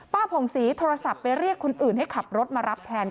ผ่องศรีโทรศัพท์ไปเรียกคนอื่นให้ขับรถมารับแทน